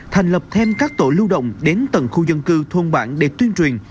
thành lập thêm các tổ lưu động đến tầng khu dân cư thôn bản để tuyên truyền